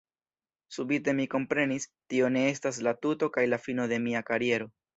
Subite mi komprenis “Tio ne estas la tuto kaj la fino de mia kariero””.